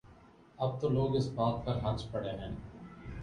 اب تو لوگ اس بات پر ہنس پڑتے ہیں۔